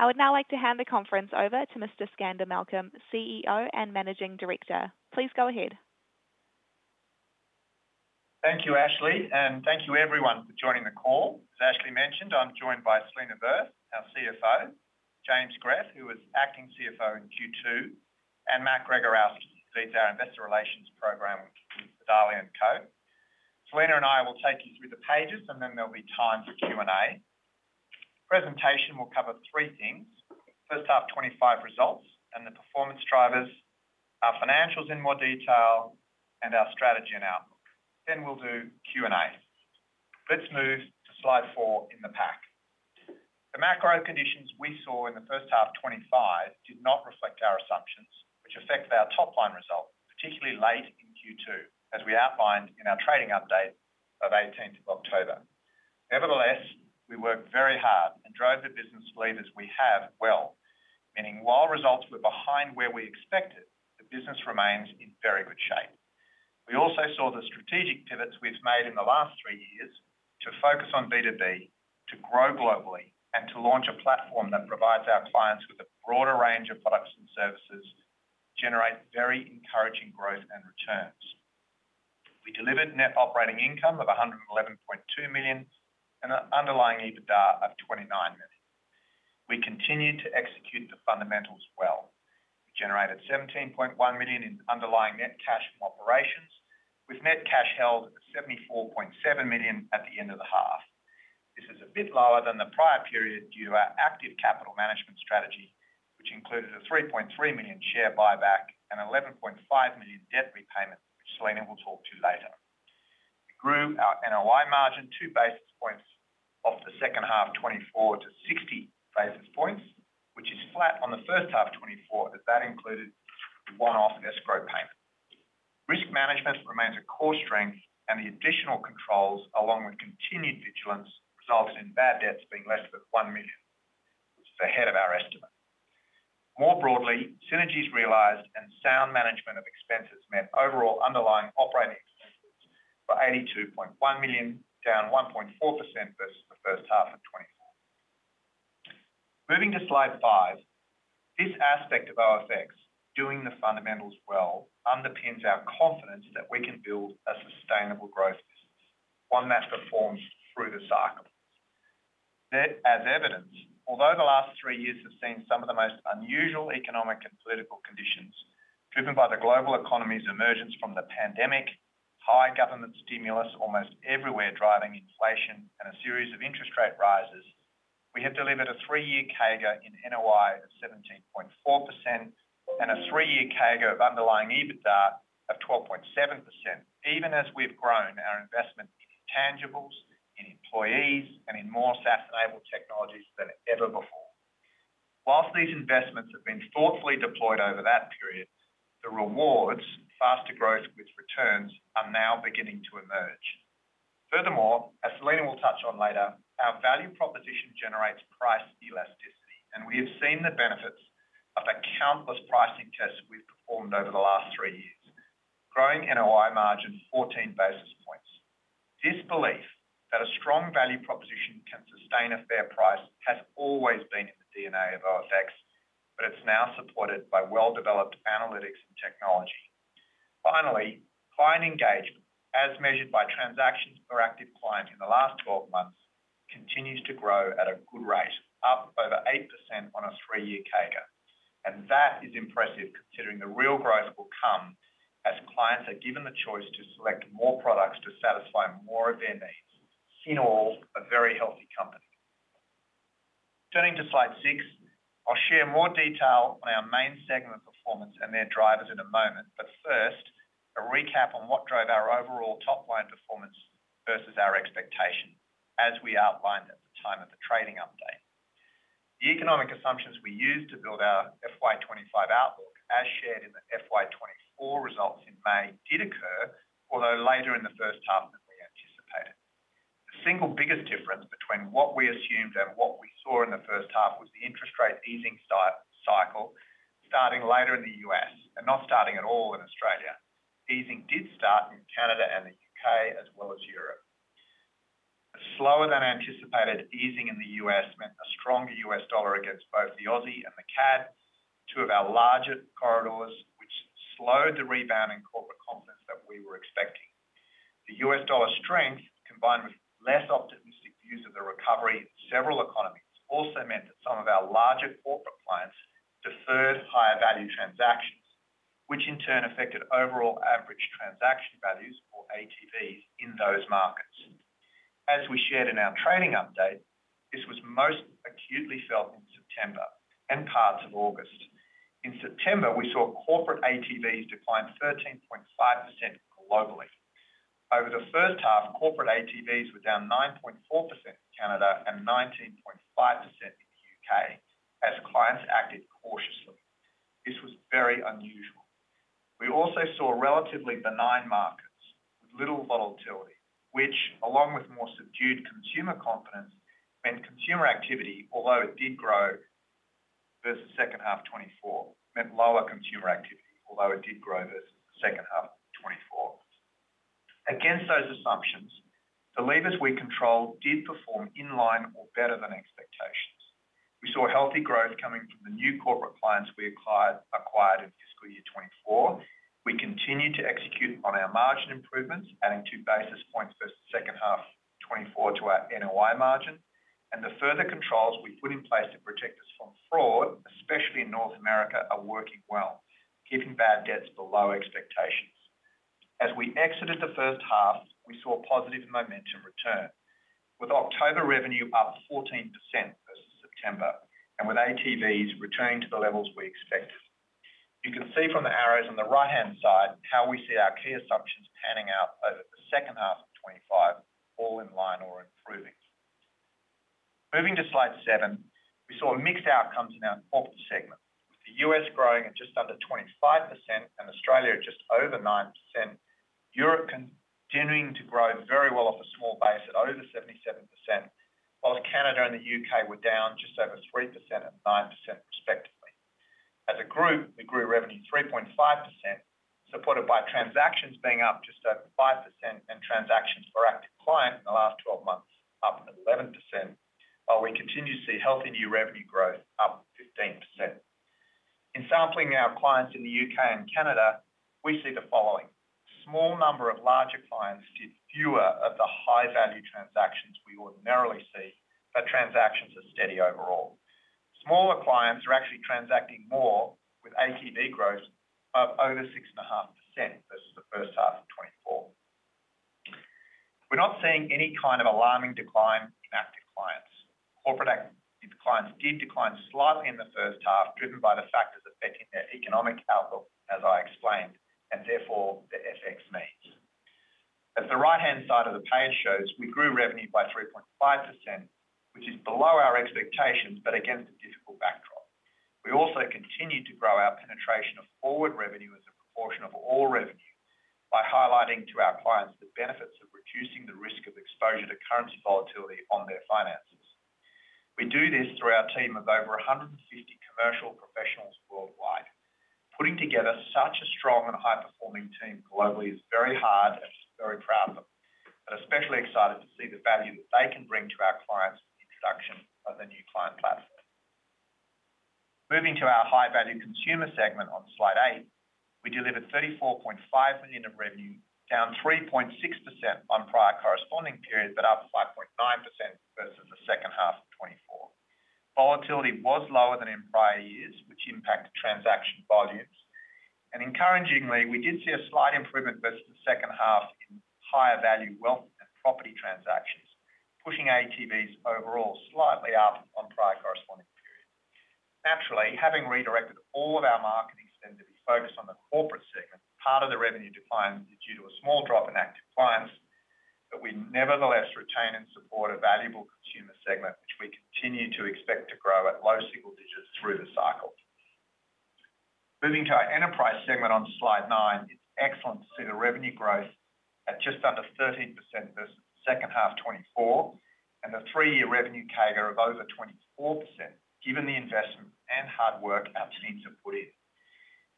I would now like to hand the conference over to Mr. Skander Malcolm, CEO and Managing Director. Please go ahead. Thank you, Ashley, and thank you everyone for joining the call. As Ashley mentioned, I'm joined by Selena Verth, our CFO, James Grigg, who is Acting CFO in Q2, and Matt Gregorowski, who leads our Investor Relations Program with Citadel-MAGNUS. Selena and I will take you through the pages, and then there'll be time for Q&A. The presentation will cover three things: H1 25 results, and the performance drivers, our financials in more detail, and our strategy and outlook. Then we'll do Q&A. Let's move to slide four in the pack. The macro conditions we saw in the H1 25 did not reflect our assumptions, which affected our top-line results, particularly late in Q2, as we outlined in our trading update of 18th of October. Nevertheless, we worked very hard and drove the business leaders we have well, meaning while results were behind where we expected, the business remains in very good shape. We also saw the strategic pivots we've made in the last three years to focus on B2B, to grow globally, and to launch a platform that provides our clients with a broader range of products and services to generate very encouraging growth and returns. We delivered net operating income of $111.2 million and an underlying EBITDA of $29 million. We continued to execute the fundamentals well. We generated $17.1 million in underlying net cash from operations, with net cash held at $74.7 million at the end of the half. This is a bit lower than the prior period due to our active capital management strategy, which included a 3.3 million share buyback and 11.5 million debt repayment, which Selena will talk to later. We grew our NOI margin two basis points off the H2 2024 to 60 basis points, which is flat on the H1 2024, as that included one-off escrow payment. Risk management remains a core strength, and the additional controls, along with continued vigilance, resulted in bad debts being less than 1 million, which is ahead of our estimate. More broadly, synergies realized and sound management of expenses meant overall underlying operating expenses were 82.1 million, down 1.4% versus the H1 of 2024. Moving to slide five, this aspect of OFX, doing the fundamentals well, underpins our confidence that we can build a sustainable growth business, one that performs through the cycle. As evidence, although the last three years have seen some of the most unusual economic and political conditions driven by the global economy's emergence from the pandemic, high government stimulus almost everywhere driving inflation, and a series of interest rate rises, we have delivered a three-year CAGR in NOI of 17.4% and a three-year CAGR of underlying EBITDA of 12.7%, even as we've grown our investment in tangibles, in employees, and in more SaaS-enabled technologies than ever before. While these investments have been thoughtfully deployed over that period, the rewards, faster growth with returns, are now beginning to emerge. Furthermore, as Selena will touch on later, our value proposition generates price elasticity, and we have seen the benefits of the countless pricing tests we've performed over the last three years, growing NOI margin 14 basis points. This belief that a strong value proposition can sustain a fair price has always been in the DNA of OFX, but it's now supported by well-developed analytics and technology. Finally, client engagement, as measured by transactions per active client in the last 12 months, continues to grow at a good rate, up over 8% on a three-year CAGR, and that is impressive considering the real growth will come as clients are given the choice to select more products to satisfy more of their needs. In all, a very healthy company. Turning to slide six, I'll share more detail on our main segment performance and their drivers in a moment, but first, a recap on what drove our overall top-line performance versus our expectation, as we outlined at the time of the trading update. The economic assumptions we used to build our FY25 outlook, as shared in the FY24 results in May, did occur, although later in the H1 than we anticipated. The single biggest difference between what we assumed and what we saw in the H1 was the interest rate easing cycle, starting later in the U.S. and not starting at all in Australia. Easing did start in Canada and the U.K., as well as Europe. A slower-than-anticipated easing in the U.S. meant a stronger US dollar against both the Aussie and the CAD, two of our larger corridors, which slowed the rebound in corporate confidence that we were expecting. The US dollar strength, combined with less optimistic views of the recovery in several economies, also meant that some of our larger corporate clients deferred higher value transactions, which in turn affected overall average transaction values, or ATVs, in those markets. As we shared in our trading update, this was most acutely felt in September and parts of August. In September, we saw corporate ATVs decline 13.5% globally. Over the H1, corporate ATVs were down 9.4% in Canada and 19.5% in the UK, as clients acted cautiously. This was very unusual. We also saw relatively benign markets with little volatility, which, along with more subdued consumer confidence, meant lower consumer activity, although it did grow versus H2 2024. Against those assumptions, the levers we controlled did perform in line or better than expectations. We saw healthy growth coming from the new corporate clients we acquired in fiscal year 2024. We continued to execute on our margin improvements, adding two basis points versus H2 2024 to our NOI margin, and the further controls we put in place to protect us from fraud, especially in North America, are working well, keeping bad debts below expectations. As we exited the H1, we saw positive momentum return, with October revenue up 14% versus September, and with ATVs returning to the levels we expected. You can see from the arrows on the right-hand side how we see our key assumptions panning out over the H2 of 2025, all in line or improving. Moving to slide seven, we saw mixed outcomes in our corporate segment, with the U.S. growing at just under 25% and Australia just over 9%, Europe continuing to grow very well off a small base at over 77%, whilst Canada and the U.K. were down just over 3% and 9% respectively. As a group, we grew revenue 3.5%, supported by transactions being up just over 5% and transactions per active client in the last 12 months, up 11%, while we continue to see healthy new revenue growth, up 15%. In sampling our clients in the U.K. and Canada, we see the following: a small number of larger clients did fewer of the high-value transactions we ordinarily see, but transactions are steady overall. Smaller clients are actually transacting more with ATV growth of over 6.5% versus the H1 of 2024. We're not seeing any kind of alarming decline in active clients. Corporate active clients did decline slightly in the H1, driven by the factors affecting their economic outlook, as I explained, and therefore the FX needs. As the right-hand side of the page shows, we grew revenue by 3.5%, which is below our expectations, but against a difficult backdrop. We also continue to grow our penetration of Forward Revenue as a proportion of all revenue by highlighting to our clients the benefits of reducing the risk of exposure to currency volatility on their finances. We do this through our team of over 150 commercial professionals worldwide. Putting together such a strong and high-performing team globally is very hard, and we're very proud of them, and especially excited to see the value that they can bring to our clients with the introduction of the New Client Platform. Moving to our high-value consumer segment on slide eight, we delivered 34.5 million of revenue, down 3.6% on prior corresponding period, but up 5.9% versus the H2 of 2024. Volatility was lower than in prior years, which impacted transaction volumes, and encouragingly, we did see a slight improvement versus the H2 in higher value wealth and property transactions, pushing ATVs overall slightly up on prior corresponding period. Naturally, having redirected all of our marketing spend to be focused on the corporate segment, part of the revenue decline is due to a small drop in active clients, but we nevertheless retain and support a valuable consumer segment, which we continue to expect to grow at low single digits through the cycle. Moving to our enterprise segment on slide nine, it's excellent to see the revenue growth at just under 13% versus the H2 2024, and the three-year revenue CAGR of over 24%, given the investment and hard work our teams have put in.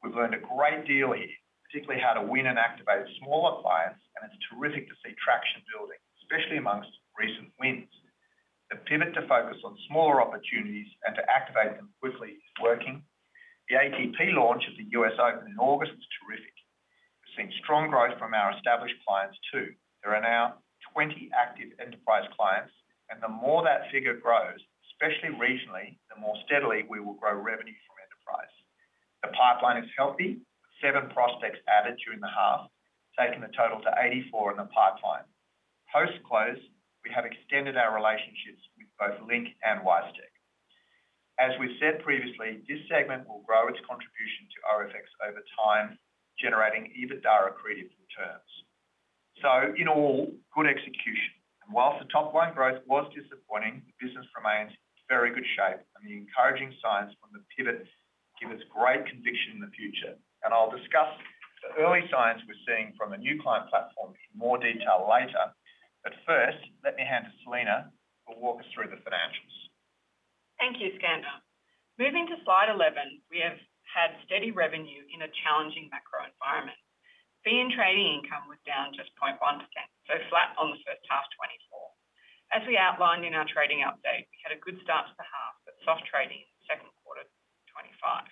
We've learned a great deal here, particularly how to win and activate smaller clients, and it's terrific to see traction building, especially among recent wins. The pivot to focus on smaller opportunities and to activate them quickly is working. The ATP Lounge at the US Open in August was terrific. We've seen strong growth from our established clients too. There are now 20 active enterprise clients, and the more that figure grows, especially regionally, the more steadily we will grow revenue from enterprise. The pipeline is healthy, with seven prospects added during the half, taking the total to 84 in the pipeline. Post-close, we have extended our relationships with both Link Group and WiseTech Global. As we've said previously, this segment will grow its contribution to OFX over time, generating EBITDA accretive returns. So, in all, good execution. And while the top-line growth was disappointing, the business remains in very good shape, and the encouraging signs from the pivot give us great conviction in the future. And I'll discuss the early signs we're seeing from the New Client Platform in more detail later, but first, let me hand to Selena who will walk us through the financials. Thank you, Skander. Moving to slide 11, we have had steady revenue in a challenging macro environment. Fee and Trading Income was down just 0.1%, so flat on the H1 2024. As we outlined in our trading update, we had a good start to the half, but soft trading in the Q2 2025.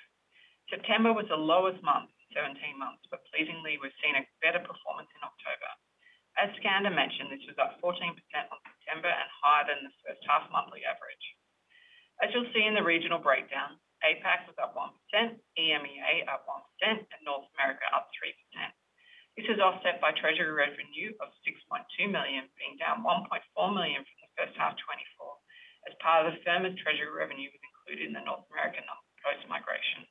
September was the lowest month in 17 months, but pleasingly, we've seen a better performance in October. As Skander mentioned, this was up 14% on September and higher than the H1 monthly average. As you'll see in the regional breakdown, APAC was up 1%, EMEA up 1%, and North America up 3%. This is offset by treasury revenue of 6.2 million, being down 1.4 million from the H1 2024, as part of the Firma as treasury revenue was included in the North America number post-migration.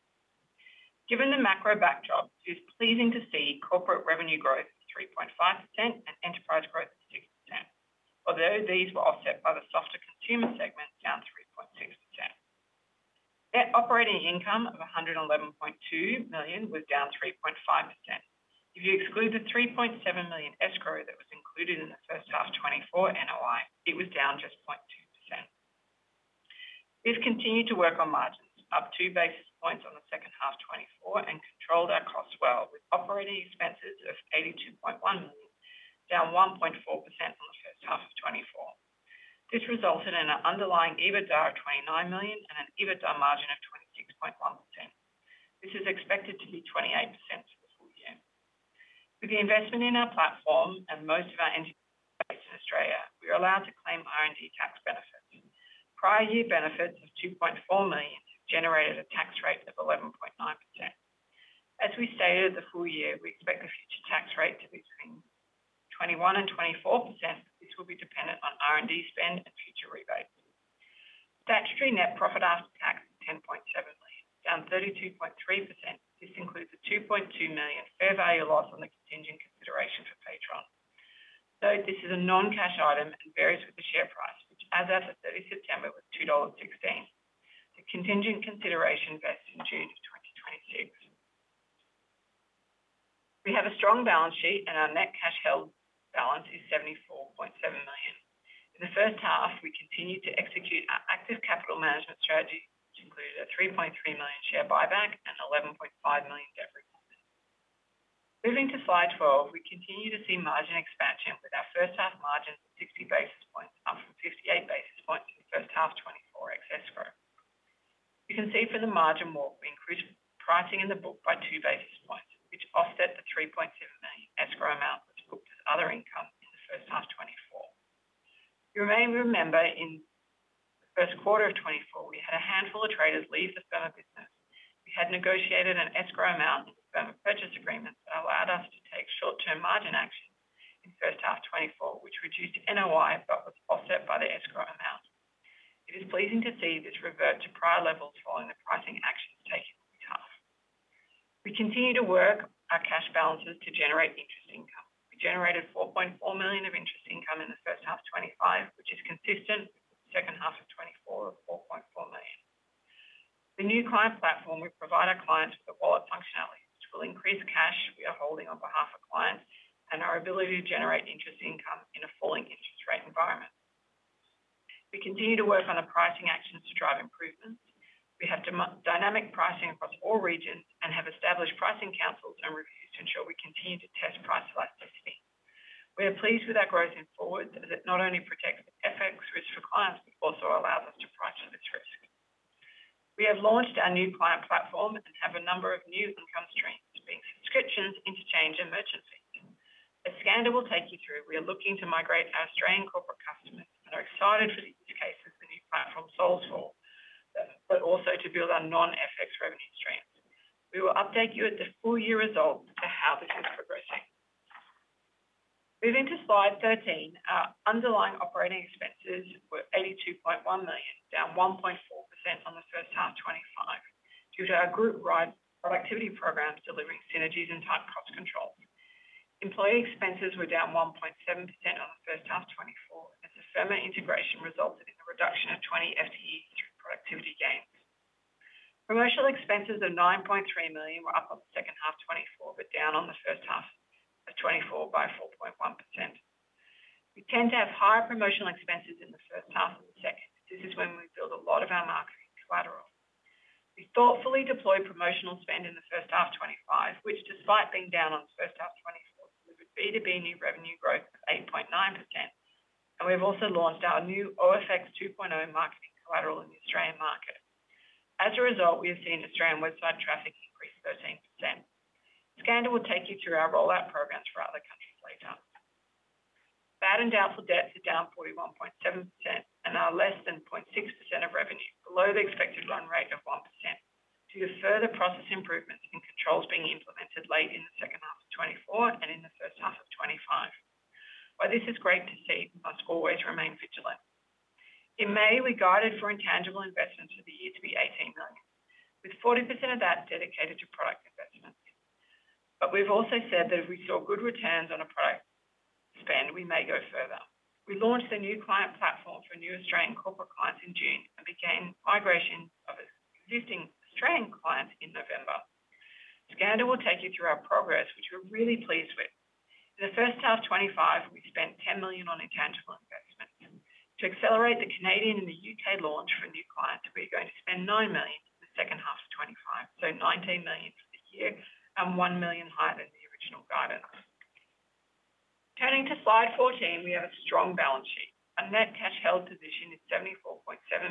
Given the macro backdrop, it is pleasing to see corporate revenue growth of 3.5% and enterprise growth of 6%, although these were offset by the softer consumer segment down 3.6%. Net operating income of 111.2 million was down 3.5%. If you exclude the 3.7 million escrow that was included in the H1 2024 NOI, it was down just 0.2%. We've continued to work on margins, up two basis points on the H2 2024, and controlled our costs well, with operating expenses of 82.1 million down 1.4% on the H1 of 2024. This resulted in an underlying EBITDA of 29 million and an EBITDA margin of 26.1%. This is expected to be 28% for the full year. With the investment in our platform and most of our entities based in Australia, we are allowed to claim R&D tax benefits. Prior year benefits of 2.4 million have generated a tax rate of 11.9%. As we stated the full year, we expect the future tax rate to be between 21% and 24%, but this will be dependent on R&D spend and future rebates. Statutory net profit after tax is 10.7 million, down 32.3%. This includes a 2.2 million fair value loss on the contingent consideration for Paytron. Though this is a non-cash item and varies with the share price, which sat at 30 September with 2.16. The contingent consideration vests in June of 2026. We have a strong balance sheet, and our net cash held balance is 74.7 million. In the H1, we continued to execute our active capital management strategy, which included a 3.3 million share buyback and 11.5 million debt repayment. Moving to slide 12, we continue to see margin expansion with our H1 margins of 60 basis points, up from 58 basis points in the H1 2024 ex escrow. You can see from the margin walk we increased pricing in the book by two basis points, which offset the 3.7 million escrow amount that's booked as other income in the H1 2024. You may remember in the Q1 of 2024, we had a handful of traders leave the Firma business. We had negotiated an escrow amount in the Firma purchase agreement that allowed us to take short-term margin actions in the H1 2024, which reduced NOI but was offset by the escrow amount. It is pleasing to see this revert to prior levels following the pricing actions taken in the half. We continue to work our cash balances to generate interest income. We generated $4.4 million of interest income in the H1 2025, which is consistent with the H2 of 2024 of $4.4 million. The New Client Platform will provide our clients with a wallet functionality, which will increase cash we are holding on behalf of clients and our ability to generate interest income in a falling interest rate environment. We continue to work on the pricing actions to drive improvements. We have dynamic pricing across all regions and have established pricing councils and reviews to ensure we continue to test price elasticity. We are pleased with our growth in forwards as it not only protects the FX risk for clients, but also allows us to price for this risk. We have launched our new client platform and have a number of new income streams, being subscriptions, interchange, and merchant fees. As Skander will take you through, we are looking to migrate our Australian corporate customers and are excited for the use cases the new platform solves for, but also to build our non-FX revenue streams. We will update you at the full year result to how this is progressing. Moving to slide 13, our underlying operating expenses were 82.1 million, down 1.4% on the H1 2025, due to our group productivity programs delivering synergies and tight cost controls. Employee expenses were down 1.7% on the H1 2024, as the firmwide integration resulted in the reduction of 20 FTEs through productivity gains. Promotional expenses of 9.3 million were up on the H2 2024, but down on the H1 of 2024 by 4.1%. We tend to have higher promotional expenses in the H1 than the second. This is when we build a lot of our marketing collateral. We thoughtfully deployed promotional spend in the H1 2025, which, despite being down on the H1 2024, delivered B2B new revenue growth of 8.9%, and we've also launched our new OFX 2.0 marketing collateral in the Australian market. As a result, we have seen Australian website traffic increase 13%. Skander will take you through our rollout programs for other countries later. Bad and doubtful debts are down 41.7% and are less than 0.6% of revenue, below the expected run rate of 1%, due to further process improvements and controls being implemented late in the H2 of 2024 and in the H1 of 2025. While this is great to see, we must always remain vigilant. In May, we guided for intangible investments for the year to be 18 million, with 40% of that dedicated to product investments. But we've also said that if we saw good returns on a product spend, we may go further. We launched the New Client Platform for new Australian corporate clients in June and began migration of existing Australian clients in November. Skander will take you through our progress, which we're really pleased with. In the H1 2025, we spent 10 million on intangible investments. To accelerate the Canadian and the UK launch for new clients, we are going to spend nine million in the H2 of 2025, so 19 million for this year and one million higher than the original guidance. Turning to slide 14, we have a strong balance sheet. Our net cash held position is 74.7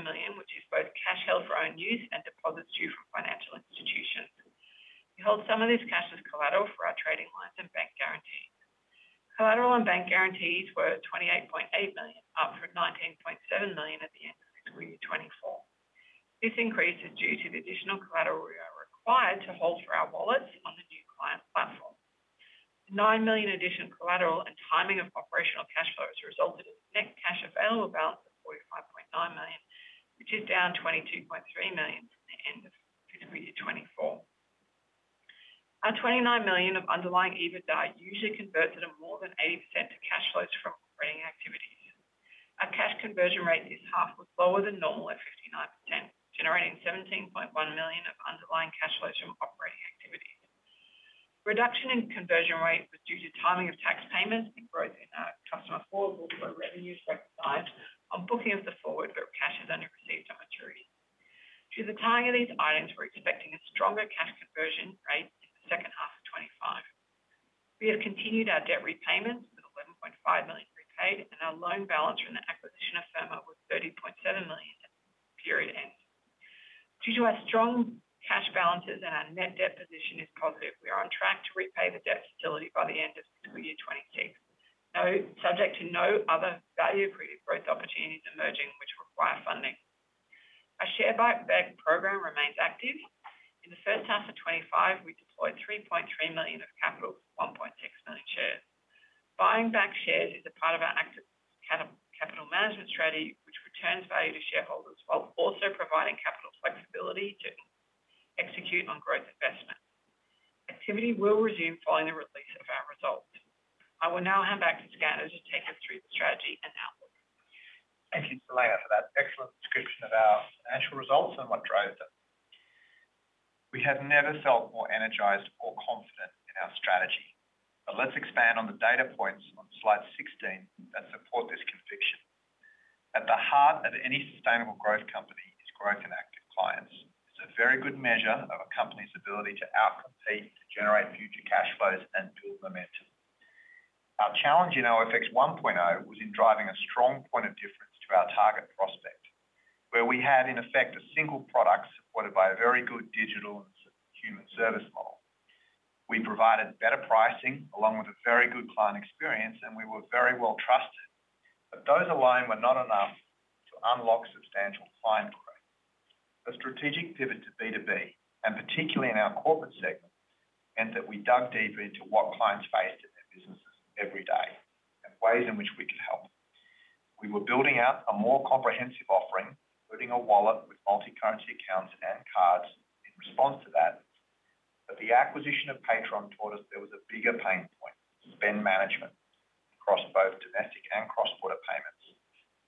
million, which is both cash held for own use and deposits due from financial institutions. We hold some of this cash as collateral for our trading lines and bank guarantees. Collateral and bank guarantees were 28.8 million, up from 19.7 million at the end of the year 2024. This increase is due to the additional collateral we are required to hold for our wallets on the new client platform. The 9 million additional collateral and timing of operational cash flows resulted in the net cash available balance of 45.9 million, which is down 22.3 million from the end of the fiscal year 2024. Our 29 million of underlying EBITDA usually converts at a more than 80% to cash flows from operating activities. Our cash conversion rate this half was lower than normal at 59%, generating 17.1 million of underlying cash flows from operating activities. The reduction in conversion rate was due to timing of tax payments and growth in our customer forward revenues recognized on booking of the forward, but cash is only received on maturity. Through the timing of these items, we're expecting a stronger cash conversion rate in the H2 of 2025. We have continued our debt repayments with 11.5 million prepaid, and our loan balance from the acquisition of Firma was 30.7 million at the period end. Due to our strong cash balances and our net debt position is positive, we are on track to repay the debt facility by the end of fiscal year 2026, subject to no other value-accretive growth opportunities emerging which require funding. Our share buyback program remains active. In the H1 of 2025, we deployed 3.3 million of capital, 1.6 million shares. Buying back shares is a part of our active capital management strategy, which returns value to shareholders while also providing capital flexibility to execute on growth investments. Activity will resume following the release of our results. I will now hand back to Skander to take us through the strategy and outlook. Thank you, Selena, for that excellent description of our financial results and what drove them. We have never felt more energized or confident in our strategy, but let's expand on the data points on slide 16 that support this conviction. At the heart of any sustainable growth company is growth in active clients. It's a very good measure of a company's ability to outcompete, to generate future cash flows, and build momentum. Our challenge in OFX 1.0 was in driving a strong point of difference to our target prospect, where we had, in effect, a single product supported by a very good digital and human service model. We provided better pricing along with a very good client experience, and we were very well trusted, but those alone were not enough to unlock substantial client growth. A strategic pivot to B2B, and particularly in our corporate segment, meant that we dug deeper into what clients faced in their businesses every day and ways in which we could help. We were building out a more comprehensive offering, including a wallet with multi-currency accounts and cards in response to that, but the acquisition of Paytron taught us there was a bigger pain point, spend management, across both domestic and cross-border payments.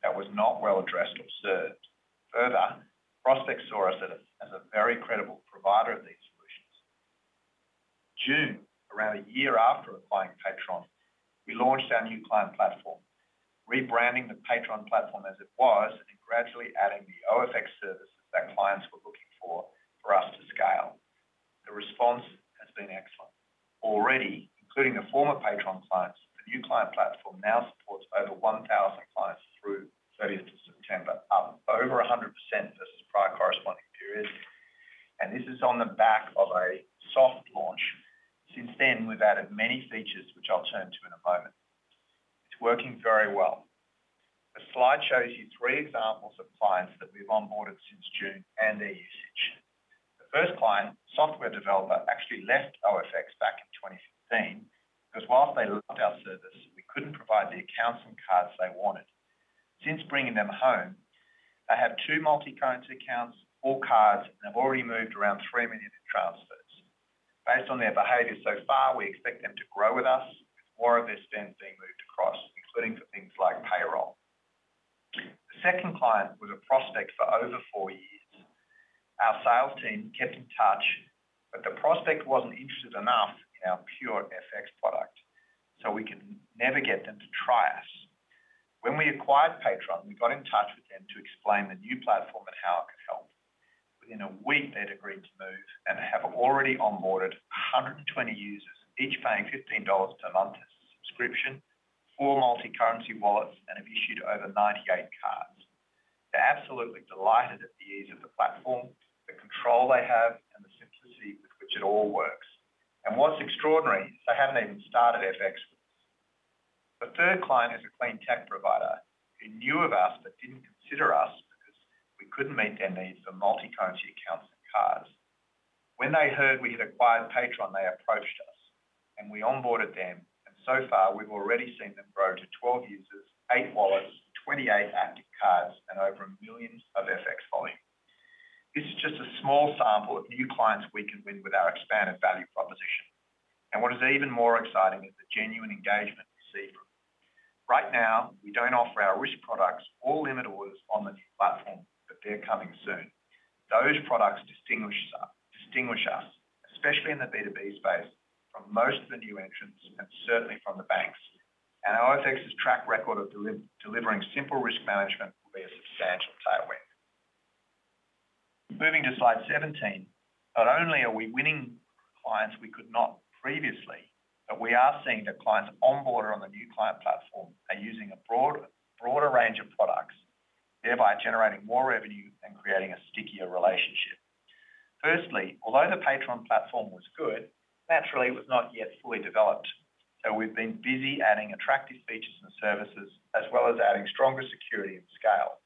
That was not well addressed or served. Further, prospects saw us as a very credible provider of these solutions. In June, around a year after acquiring Paytron, we launched our new client platform, rebranding the Paytron platform as it was and gradually adding the OFX services that clients were looking for for us to scale. The response has been excellent. Already, including the former Paytron clients, the New Client Platform now supports over 1,000 clients through the 30th of September, up over 100% versus prior corresponding periods. This is on the back of a soft launch. Since then, we've added many features, which I'll turn to in a moment. It's working very well. The slide shows you three examples of clients that we've onboarded since June and their usage. The first client, a software developer, actually left OFX back in 2015 because while they loved our service, we couldn't provide the accounts and cards they wanted. Since bringing them home, they have two multi-currency accounts, four cards, and have already moved around 3 million in transfers. Based on their behavior so far, we expect them to grow with us, with more of their spend being moved across, including for things like payroll. The second client was a prospect for over four years. Our sales team kept in touch, but the prospect wasn't interested enough in our pure FX product, so we could never get them to try us. When we acquired Paytron, we got in touch with them to explain the new platform and how it could help. Within a week, they'd agreed to move and have already onboarded 120 users, each paying $15 per month as a subscription, four multi-currency wallets, and have issued over 98 cards. They're absolutely delighted at the ease of the platform, the control they have, and the simplicity with which it all works, and what's extraordinary is they haven't even started FX with us. The third client is a clean tech provider who knew of us but didn't consider us because we couldn't meet their needs for multi-currency accounts and cards. When they heard we had acquired Paytron, they approached us, and we onboarded them, and so far, we've already seen them grow to 12 users, eight wallets, 28 active cards, and over a million of FX volume. This is just a small sample of new clients we can win with our expanded value proposition, and what is even more exciting is the genuine engagement we see from them. Right now, we don't offer our risk products or limit orders on the platform, but they're coming soon. Those products distinguish us, especially in the B2B space, from most of the new entrants and certainly from the banks, and OFX's track record of delivering simple risk management will be a substantial tailwind. Moving to slide 17, not only are we winning clients we could not previously, but we are seeing that clients onboard on the new client platform are using a broader range of products, thereby generating more revenue and creating a stickier relationship. Firstly, although the Paytron platform was good, naturally, it was not yet fully developed. So we've been busy adding attractive features and services, as well as adding stronger security and scale.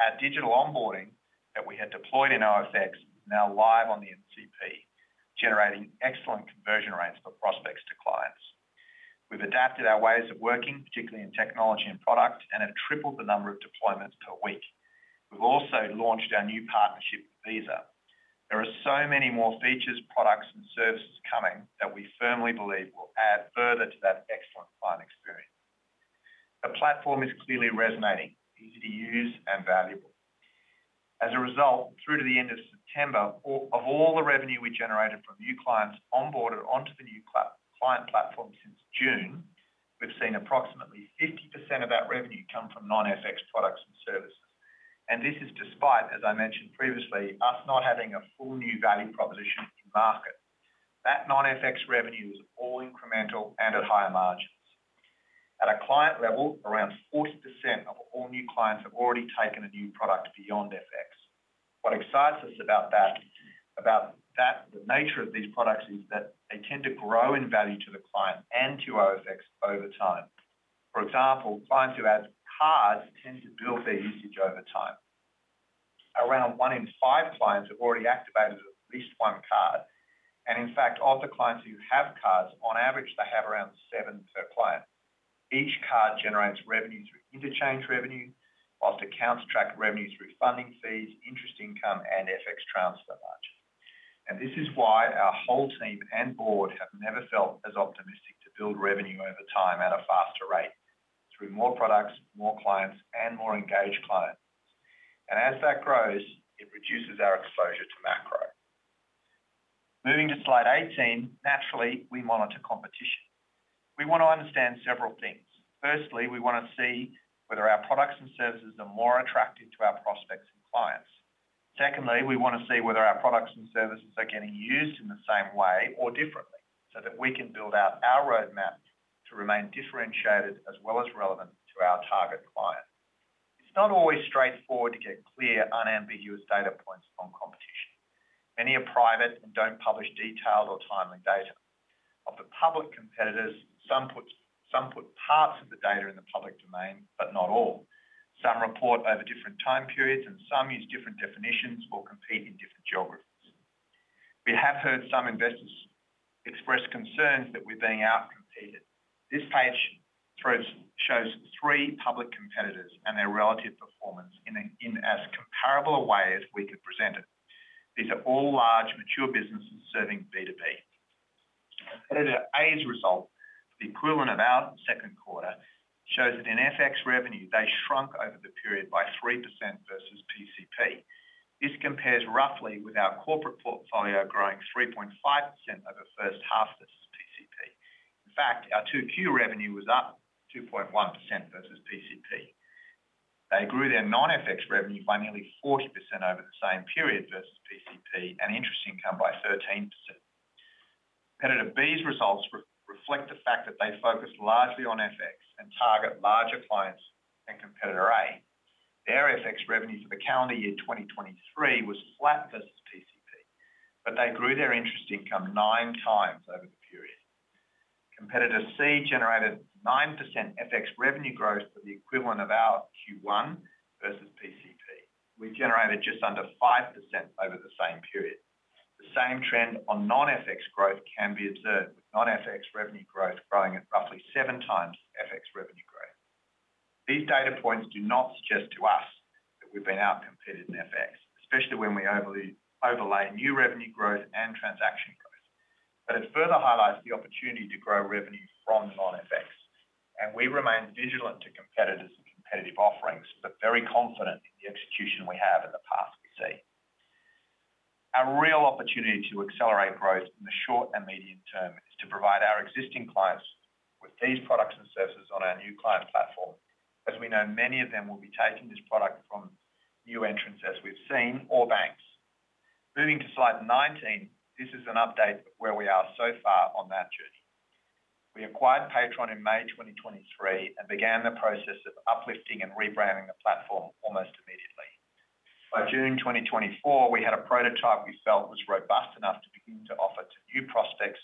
Our digital onboarding that we had deployed in OFX is now live on the NCP, generating excellent conversion rates for prospects to clients. We've adapted our ways of working, particularly in technology and product, and have tripled the number of deployments per week. We've also launched our new partnership with Visa. There are so many more features, products, and services coming that we firmly believe will add further to that excellent client experience. The platform is clearly resonating, easy to use, and valuable. As a result, through to the end of September, of all the revenue we generated from new clients onboarded onto the new client platform since June, we've seen approximately 50% of that revenue come from non-FX products and services, and this is despite, as I mentioned previously, us not having a full new value proposition in market. That non-FX revenue is all incremental and at higher margins. At a client level, around 40% of all new clients have already taken a new product beyond FX. What excites us about that, about that, the nature of these products is that they tend to grow in value to the client and to OFX over time. For example, clients who have cards tend to build their usage over time. Around one in five clients have already activated at least one card. In fact, of the clients who have cards, on average, they have around seven per client. Each card generates revenue through interchange revenue, while accounts track revenue through funding fees, interest income, and FX transfer margin. This is why our whole team and board have never felt as optimistic to build revenue over time at a faster rate through more products, more clients, and more engaged clients. As that grows, it reduces our exposure to macro. Moving to slide 18, naturally, we monitor competition. We want to understand several things. Firstly, we want to see whether our products and services are more attractive to our prospects and clients. Secondly, we want to see whether our products and services are getting used in the same way or differently so that we can build out our roadmap to remain differentiated as well as relevant to our target client. It's not always straightforward to get clear, unambiguous data points on competition. Many are private and don't publish detailed or timely data. Of the public competitors, some put parts of the data in the public domain, but not all. Some report over different time periods, and some use different definitions or compete in different geographies. We have heard some investors express concerns that we're being outcompeted. This page shows three public competitors and their relative performance in as comparable a way as we could present it. These are all large mature businesses serving B2B. As a result, the equivalent of our Q2 shows that in FX revenue, they shrunk over the period by 3% versus PCP. This compares roughly with our corporate portfolio growing 3.5% over the H1 versus PCP. In fact, our 2Q revenue was up 2.1% versus PCP. They grew their non-FX revenue by nearly 40% over the same period versus PCP and interest income by 13%. Competitor B's results reflect the fact that they focus largely on FX and target larger clients than competitor A. Their FX revenue for the calendar year 2023 was flat versus PCP, but they grew their interest income nine times over the period. Competitor C generated 9% FX revenue growth for the equivalent of our Q1 versus PCP. We generated just under 5% over the same period. The same trend on non-FX growth can be observed with non-FX revenue growth growing at roughly seven times FX revenue growth. These data points do not suggest to us that we've been outcompeted in FX, especially when we overlay new revenue growth and transaction growth. But it further highlights the opportunity to grow revenue from non-FX. And we remain vigilant to competitors and competitive offerings, but very confident in the execution we have and the path we see. Our real opportunity to accelerate growth in the short and medium term is to provide our existing clients with these products and services on our new client platform, as we know many of them will be taking this product from new entrants as we've seen or banks. Moving to slide 19, this is an update of where we are so far on that journey. We acquired Paytron in May 2023 and began the process of uplifting and rebranding the platform almost immediately. By June 2024, we had a prototype we felt was robust enough to begin to offer to new prospects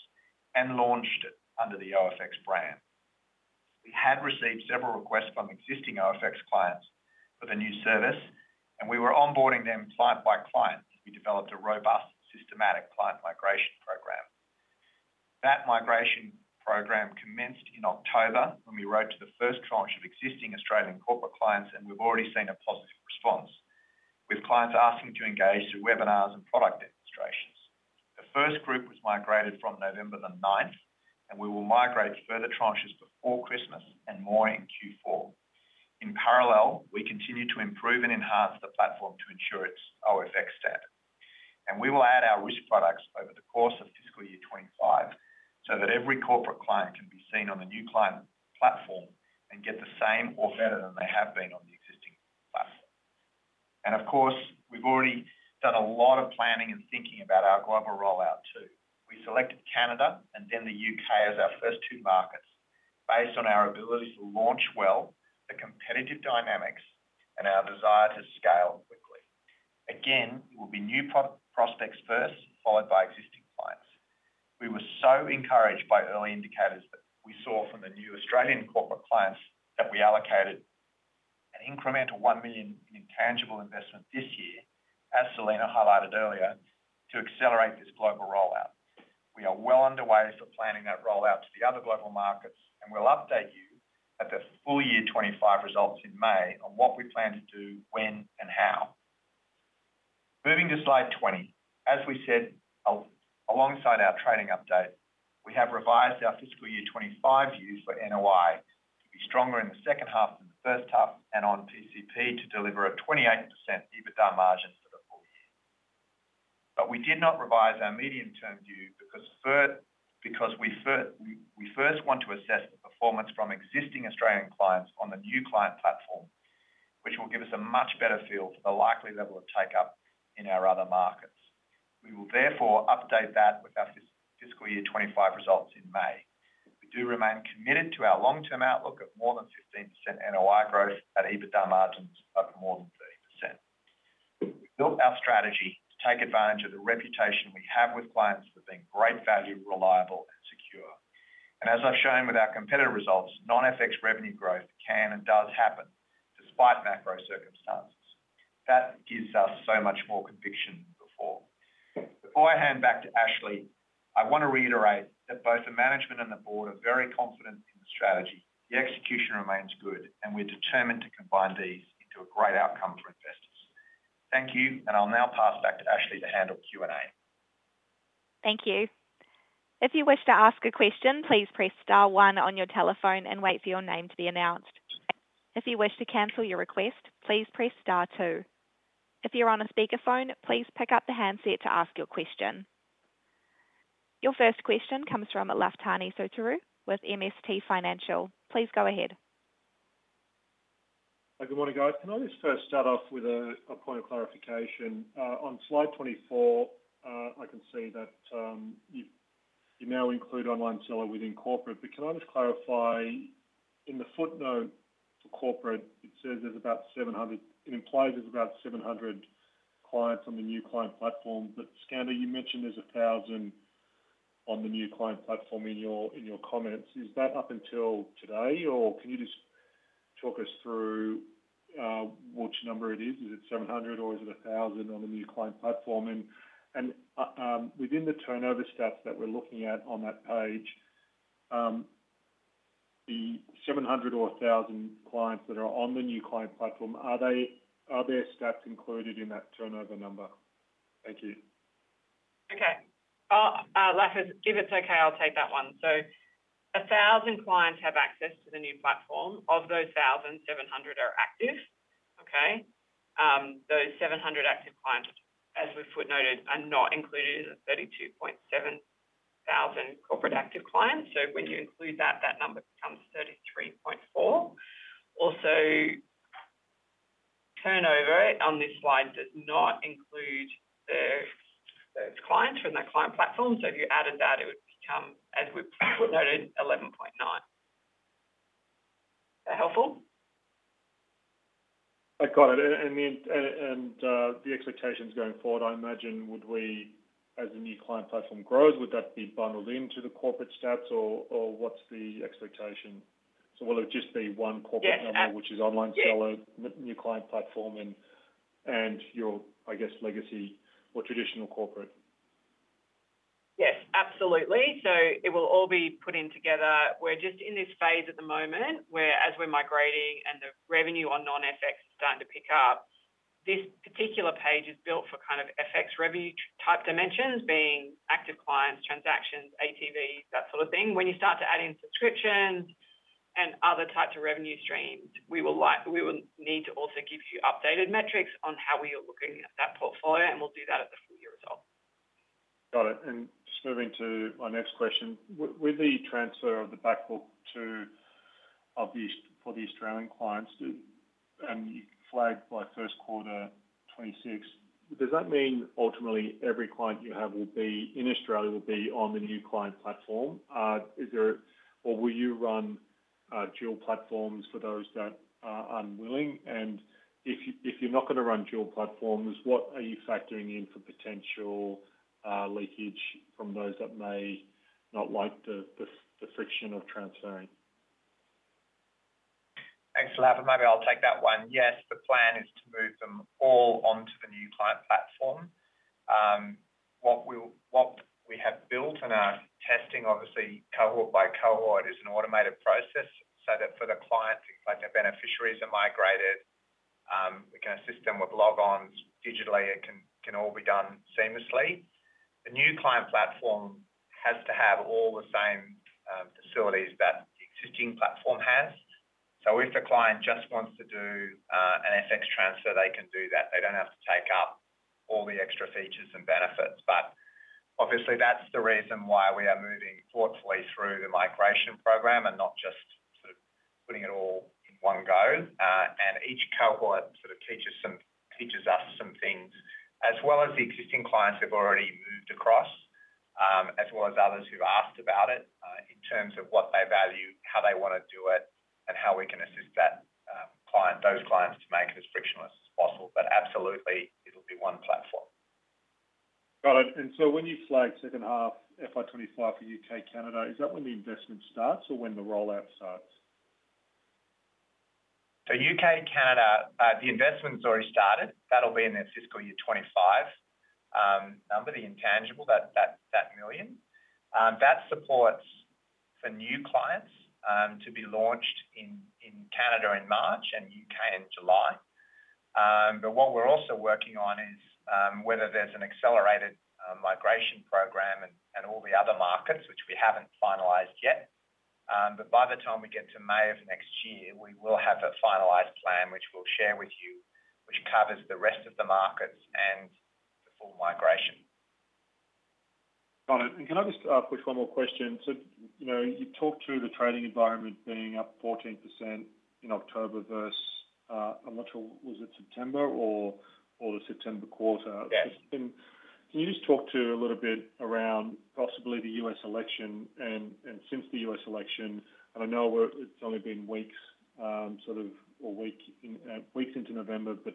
and launched it under the OFX brand. We had received several requests from existing OFX clients for the new service, and we were onboarding them client by client as we developed a robust systematic client migration program. That migration program commenced in October when we wrote to the first tranche of existing Australian corporate clients, and we've already seen a positive response, with clients asking to engage through webinars and product demonstrations. The first group was migrated from November the 9th, and we will migrate further tranches before Christmas and more in Q4. In parallel, we continue to improve and enhance the platform to ensure its OFX status, and we will add our risk products over the course of fiscal year 25 so that every corporate client can be seen on the new client platform and get the same or better than they have been on the existing platform. Of course, we've already done a lot of planning and thinking about our global rollout too. We selected Canada and then the U.K. as our first two markets based on our ability to launch well, the competitive dynamics, and our desire to scale quickly. Again, it will be new prospects first, followed by existing clients. We were so encouraged by early indicators that we saw from the new Australian corporate clients that we allocated an incremental 1 million in intangible investment this year, as Selena highlighted earlier, to accelerate this global rollout. We are well underway for planning that rollout to the other global markets, and we'll update you at the full year 2025 results in May on what we plan to do, when, and how. Moving to slide 20, as we said alongside our trading update, we have revised our fiscal year 25 view for NOI to be stronger in the H2 than the H1 and on PCP to deliver a 28% EBITDA margin for the full year. But we did not revise our medium-term view because we first want to assess the performance from existing Australian clients on the New Client Platform, which will give us a much better feel for the likely level of take-up in our other markets. We will therefore update that with our fiscal year 25 results in May. We do remain committed to our long-term outlook of more than 15% NOI growth at EBITDA margins of more than 30%. We built our strategy to take advantage of the reputation we have with clients for being great value, reliable, and secure. And as I've shown with our competitor results, non-FX revenue growth can and does happen despite macro circumstances. That gives us so much more conviction than before. Before I hand back to Ashley, I want to reiterate that both the management and the board are very confident in the strategy. The execution remains good, and we're determined to combine these into a great outcome for investors. Thank you, and I'll now pass back to Ashley to handle Q&A. Thank you. If you wish to ask a question, please press star one on your telephone and wait for your name to be announced. If you wish to cancel your request, please press star two. If you're on a speakerphone, please pick up the handset to ask your question. Your first question comes from Lafitani Sotiriou with MST Financial. Please go ahead. Good morning, guys. Can I just first start off with a point of clarification? On slide 24, I can see that you now include online seller within corporate, but can I just clarify in the footnote for corporate, it says there's about 700 employees, there's about 700 clients on the new client platform. But Skander, you mentioned there's 1,000 on the new client platform in your comments. Is that up until today, or can you just talk us through which number it is? Is it 700 or is it 1,000 on the new client platform? And within the turnover stats that we're looking at on that page, the 700 or 1,000 clients that are on the new client platform, are their stats included in that turnover number? Thank you. Okay. I'll let us, if it's okay, I'll take that one. So 1,000 clients have access to the new client platform. Of those 1,000, 700 are active. Okay? Those 700 active clients, as we've footnoted, are not included in the 32.7 thousand corporate active clients. So when you include that, that number becomes 33.4. Also, turnover on this slide does not include those clients from that client platform. So if you added that, it would become, as we've footnoted, 11.9. Is that helpful? I got it. And the expectations going forward, I imagine, as the New Client Platform grows, would that be bundled into the corporate stats or what's the expectation? So will it just be one corporate number, which is online seller, New Client Platform, and your, I guess, legacy or traditional corporate? Yes, absolutely. So it will all be put in together. We're just in this phase at the moment where, as we're migrating and the revenue on non-FX is starting to pick up, this particular page is built for kind of FX revenue type dimensions, being active clients, transactions, ATVs, that sort of thing. When you start to add in subscriptions and other types of revenue streams, we will need to also give you updated metrics on how we are looking at that portfolio, and we'll do that at the full year result. Got it. And just moving to my next question. With the transfer of the backbook for the Australian clients and you flagged by Q1 2026, does that mean ultimately every client you have will be in Australia will be on the New Client Platform? Or will you run dual platforms for those that are unwilling? If you're not going to run dual platforms, what are you factoring in for potential leakage from those that may not like the friction of transferring? Thanks, Lafitani. Maybe I'll take that one. Yes, the plan is to move them all onto the New Client Platform. What we have built in our testing, obviously, cohort by cohort is an automated process so that for the clients, like their beneficiaries are migrated, we can assist them with logons digitally. It can all be done seamlessly. The New Client Platform has to have all the same facilities that the existing platform has. So if the client just wants to do an FX transfer, they can do that. They don't have to take up all the extra features and benefits. But obviously, that's the reason why we are moving thoughtfully through the migration program and not just sort of putting it all in one go. And each cohort sort of teaches us some things, as well as the existing clients who've already moved across, as well as others who've asked about it in terms of what they value, how they want to do it, and how we can assist those clients to make it as frictionless as possible. But absolutely, it'll be one platform. Got it. And so when you flag H2, FY25 for UK, Canada, is that when the investment starts or when the rollout starts? For UK, Canada, the investment's already started. That'll be in their fiscal year 2025 number, the intangible, that 1 million. That supports for new clients to be launched in Canada in March and UK in July. But what we're also working on is whether there's an accelerated migration program and all the other markets, which we haven't finalized yet. But by the time we get to May of next year, we will have a finalized plan, which we'll share with you, which covers the rest of the markets and the full migration. Got it. And can I just push one more question? So you talked through the trading environment being up 14% in October versus, I'm not sure, was it September or the September quarter? Can you just talk to a little bit around possibly the U.S. election and since the U.S. election? And I know it's only been weeks sort of or weeks into November, but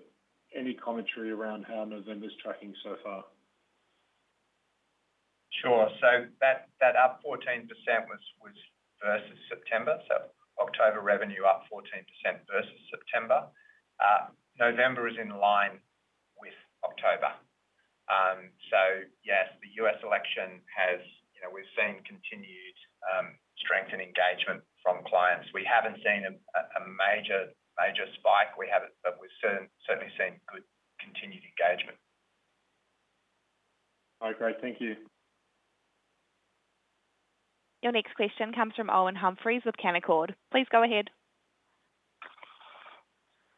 any commentary around how November's tracking so far? Sure. So that up 14% was versus September. So October revenue up 14% versus September. November is in line with October. So yes, the U.S. election has, we've seen continued strengthened engagement from clients. We haven't seen a major spike, but we've certainly seen good continued engagement. Okay. Thank you. Your next question comes from Owen Humphries with Canaccord. Please go ahead.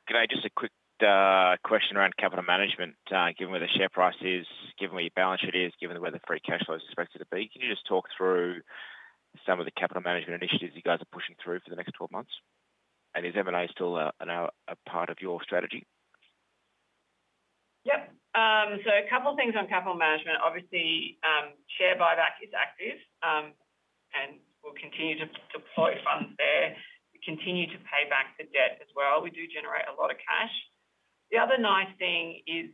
Can I just a quick question around capital management? Given where the share price is, given where your balance sheet is, given where the free cash flow is expected to be, can you just talk through some of the capital management initiatives you guys are pushing through for the next 12 months? And is M&A still a part of your strategy? Yep. So a couple of things on capital management. Obviously, share buyback is active and we'll continue to deploy funds there. We continue to pay back the debt as well. We do generate a lot of cash. The other nice thing is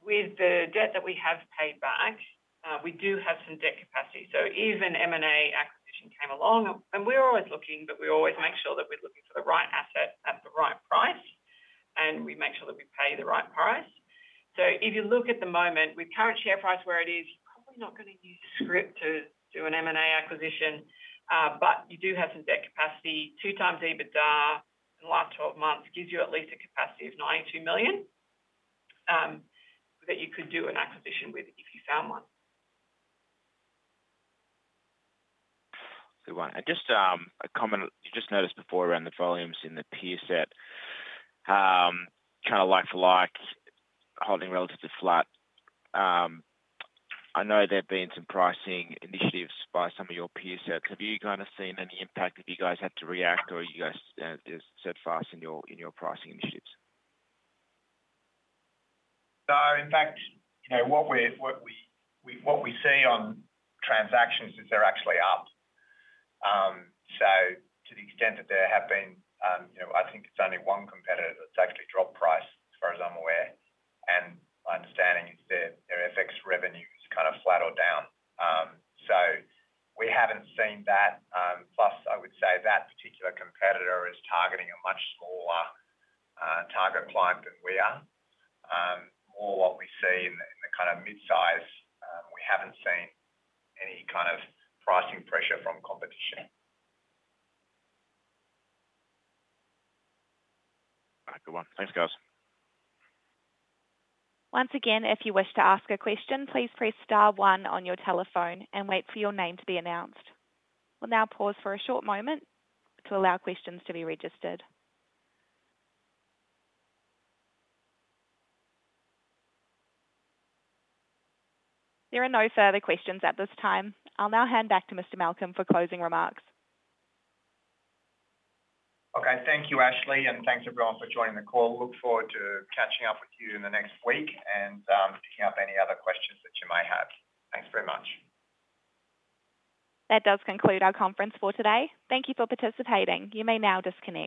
with the debt that we have paid back, we do have some debt capacity. So even if an M&A acquisition came along, and we're always looking, but we always make sure that we're looking for the right asset at the right price, and we make sure that we pay the right price. So if you look at the moment, with current share price where it is, you're probably not going to use scrip to do an M&A acquisition, but you do have some debt capacity. Two times EBITDA in the last 12 months gives you at least a capacity of 92 million that you could do an acquisition with if you found one. Just a comment you just noticed before around the volumes in the peer set, kind of like for like, holding relatively flat. I know there have been some pricing initiatives by some of your peer sets. Have you kind of seen any impact if you guys had to react or you guys are set fast in your pricing initiatives? No. In fact, what we see on transactions is they're actually up. So to the extent that there have been, I think it's only one competitor that's actually dropped price as far as I'm aware. And my understanding is their FX revenue has kind of flattened out. So we haven't seen that. Plus, I would say that particular competitor is targeting a much smaller target client than we are. More what we see in the kind of mid-size, we haven't seen any kind of pricing pressure from competition. All right. Good one. Thanks, guys. Once again, if you wish to ask a question, please press star one on your telephone and wait for your name to be announced. We'll now pause for a short moment to allow questions to be registered. There are no further questions at this time. I'll now hand back to Mr. Malcolm for closing remarks. Okay. Thank you, Ashley, and thanks everyone for joining the call. We'll look forward to catching up with you in the next week and picking up any other questions that you might have. Thanks very much. That does conclude our conference for today. Thank you for participating. You may now disconnect.